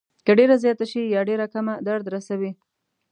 که ډېره زیاته شي یا ډېره کمه درد رسوي.